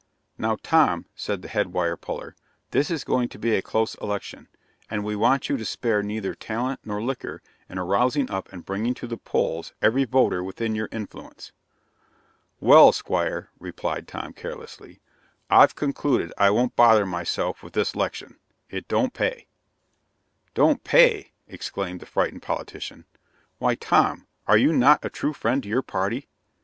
"Now, Tom," said the head wire puller, "this is going to be a close election, and we want you to spare neither talent nor liquor in arousing up and bringing to the polls every voter within your influence." "Well, Squire," replied Tom carelessly, "I've concluded I won't bother myself with this 'lection it don't pay!" "Don't pay!" exclaimed the frightened politician. "Why, Tom, are you not a true friend to your party?